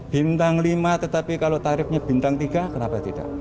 bintang lima tetapi kalau tarifnya bintang tiga kenapa tidak